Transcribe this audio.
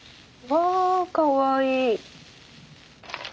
わあかわいい。